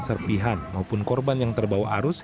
serpihan maupun korban yang terbawa arus